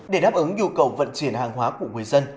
để đáp ứng nhu cầu vận chuyển hàng hóa của người dân